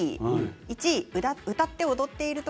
１位歌って踊っていること。